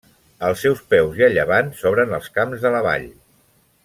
Als seus peus, i a llevant, s'obren els Camps de la Vall.